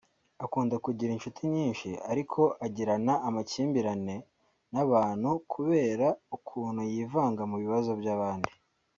Akunda kugira inshuti nyinshi ariko agirana amakimbirane n’abantu kubera ukuntu yivanga mu bibazo by’abandi